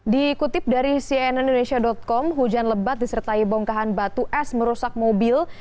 di kutip dari cnnindonesia com hujan lebat disertai bongkahan batu es merusak mobil